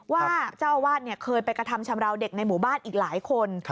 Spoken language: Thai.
ว่าเจ้าอาวาสเคยไปกระทำชำราวเด็กในหมู่บ้านอีกหลายคน